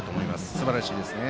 すばらしいですね。